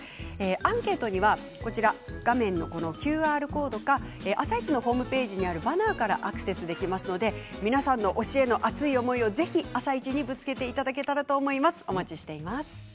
アンケートには画面のＱＲコードから「あさイチ」のホームページにあるバナーからアクセスできますので皆さんの推しへの熱い思いをぜひ「あさイチ」にぶつけていただければと思います。